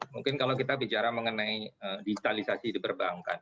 mungkin kalau kita bicara mengenai digitalisasi di perbankan